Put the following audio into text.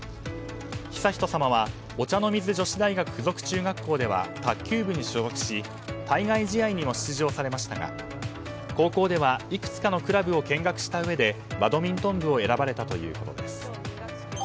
悠仁さまはお茶の水女子大学付属中学校では卓球部に所属し対外試合にも出場されましたが高校では、いくつかのクラブを見学したうえでバドミントン部を選ばれたということです。